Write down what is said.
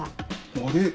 あれ？